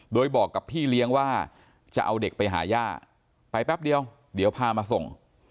โดยบอกกับพี่เลี้ยงว่าจะเอาเด็กไปหาย่าไปแป๊บเดียวเดี๋ยวพามาส่ง